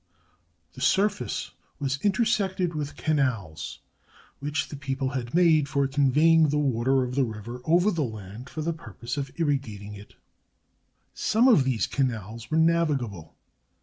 The surface was intersected with canals, which the people had made for conveying the water of the river over the land for the purpose of irrigating it. Some of these canals were navigable.